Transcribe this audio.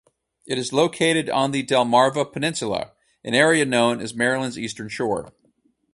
It is located on the Delmarva Peninsula, an area known as Maryland's Eastern Shore.